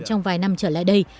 trong vài năm trở lại đây